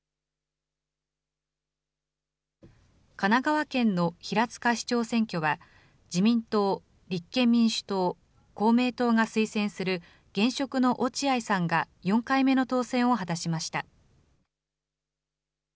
神奈川県の平塚市長選挙は、自民党、立憲民主党、公明党が推薦する現職の落合さんが４回目の当選を果たしました。